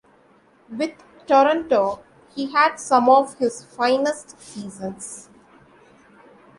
With Toronto, he had some of his finest seasons.